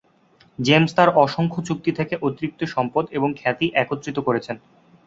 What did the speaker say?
James তার অসংখ্য চুক্তি থেকে অতিরিক্ত সম্পদ এবং খ্যাতি একত্রিত করেছেন।